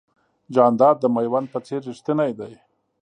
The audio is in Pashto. جانداد د مېوند په څېر رښتینی دی.